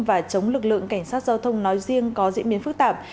và chống lực lượng cảnh sát giao thông nói riêng có diễn biến phức tạp